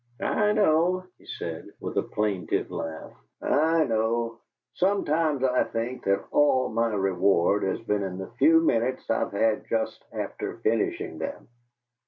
"I know," he said, with a plaintive laugh, "I know. Sometimes I think that all my reward has been in the few minutes I've had just after finishing them.